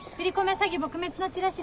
詐欺撲滅のチラシです。